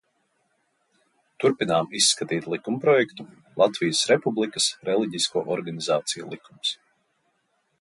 "Turpinām izskatīt likumprojektu "Latvijas Republikas reliģisko organizāciju likums"."